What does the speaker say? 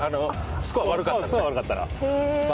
スコア悪かったら。